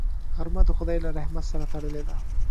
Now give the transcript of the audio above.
غرمه د خدای له رحمت سره تړلې ده